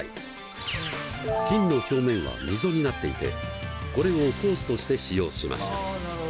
金の表面は溝になっていてこれをコースとして使用しました。